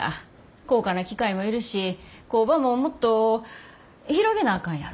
高価な機械もいるし工場ももっと広げなあかんやろ。